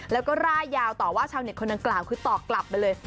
แล้วก็ร่ายยาวต่อว่าชาวเน็ตคนดังกล่าวคือตอบกลับไปเลย